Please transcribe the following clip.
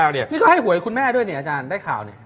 พี่ก็ให้หวยคุณแม่ด้วยเนี่ยอาจารย์ได้ข่าวเนี่ย